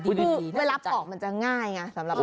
เพราะเวลาปอกมันจะง่ายไงสำหรับคุณ